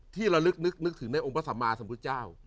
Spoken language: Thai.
ที่เรารึกนึกถึงในองค์ประสามารถสมพุทธเจ้า